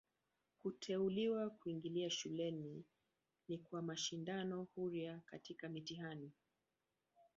Kuteuliwa kuingia shuleni ni kwa mashindano huria katika mtihani.